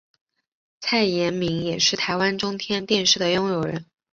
蔡衍明也是台湾中天电视的拥有人。